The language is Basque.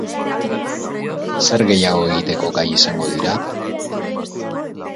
Zer gehiago egiteko gai izango dira?